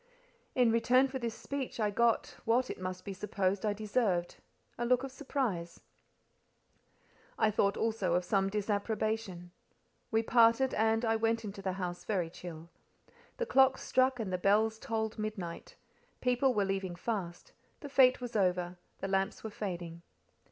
In return for this speech I got—what, it must be supposed, I deserved—a look of surprise: I thought also of some disapprobation. We parted, and I went into the house very chill. The clocks struck and the bells tolled midnight; people were leaving fast: the fête was over; the lamps were fading.